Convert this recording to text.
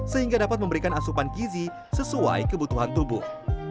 sehingga dapat memberikan asupan gizi sesuai kebutuhan tubuh